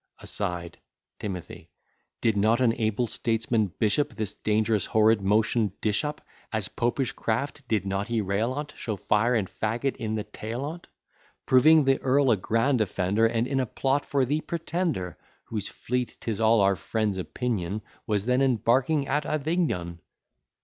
[Aside. T. Did not an able statesman bishop This dangerous horrid motion dish up As Popish craft? did he not rail on't? Show fire and fagot in the tail on't? Proving the earl a grand offender; And in a plot for the Pretender; Whose fleet, 'tis all our friends' opinion, Was then embarking at Avignon?